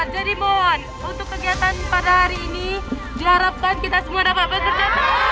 jadi mohon untuk kegiatan pada hari ini diharapkan kita semua dapat bekerja